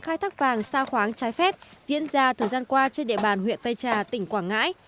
khai thác vàng xa khoáng trái phép diễn ra thời gian qua trên địa bàn huyện tây trà tỉnh quảng ngãi